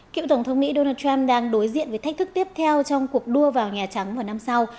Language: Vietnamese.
cựu tổng thống mỹ donald trump đang đối diện với thách thức tiếp theo trong cuộc đua vào nhà trắng vào năm sau